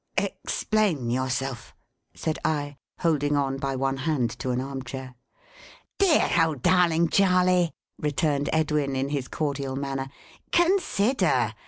"Explain yourself," said I, holding on by one hand to an arm chair. "Dear old darling Charley!" returned Edwin, in his cordial manner, "consider!